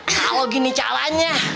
kalo gini caranya